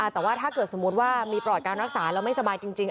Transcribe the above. แต่ว่าถ้าเกิดสมมุติว่ามีปลอดการรักษาแล้วไม่สบายจริง